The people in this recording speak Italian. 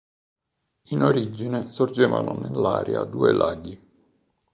In origine sorgevano nell'area due laghi.